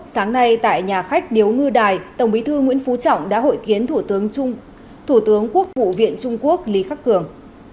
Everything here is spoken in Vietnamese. sáng nay tại nhà khách điếu ngư đài tổng bí thư nguyễn phú trọng đã hội kiến thủ tướng quốc vụ viện trung quốc lý khắc cường